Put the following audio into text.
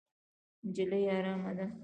نجلۍ ارامه ده.